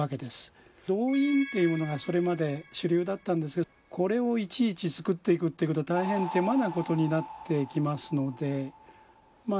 銅印っていうものがそれまで主流だったんですけどこれをいちいち作っていくっていうことは大変手間なことになっていきますのでまあ